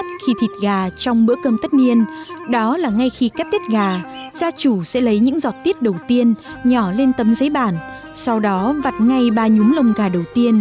theo phòng khách gia chủ sẽ lấy những giọt tiết đầu tiên nhỏ lên tấm giấy bản